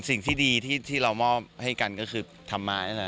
สิ่งที่ดีที่เรามอบให้กันก็คือทำมา